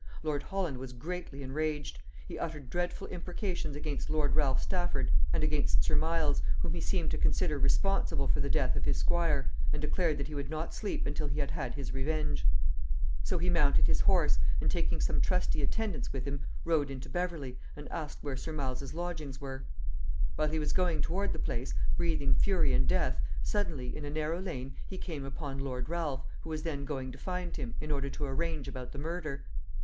Lord Holland was greatly enraged. He uttered dreadful imprecations against Lord Ralph Stafford and against Sir Miles, whom he seemed to consider responsible for the death of his squire, and declared that he would not sleep until he had had his revenge. So he mounted his horse, and, taking some trusty attendants with him, rode into Beverley, and asked where Sir Miles's lodgings were. While he was going toward the place, breathing fury and death, suddenly, in a narrow lane, he came upon Lord Ralph, who was then going to find him, in order to arrange about the murder.